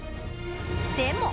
でも。